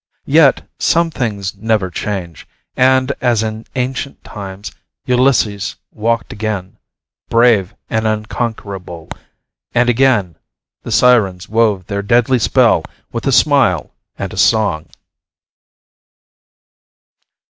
Yet, some things never change, and, as in ancient times, Ulysses walked again brave and unconquerable and again, the sirens wove their deadly spell with a smile and a song.